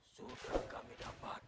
sudah kami dapat